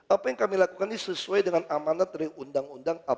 apa yang kami lakukan ini sesuai dengan amanat dari undang undang